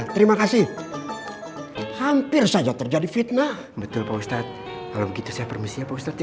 terima kasih hampir saja terjadi fitnah betul pak ustadz kalau begitu saya permisi pak ustadz ya